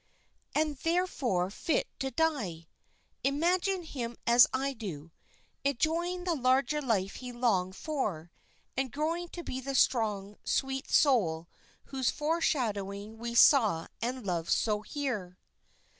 "And therefore fit to die. Imagine him as I do, enjoying the larger life he longed for, and growing to be the strong, sweet soul whose foreshadowing we saw and loved so here."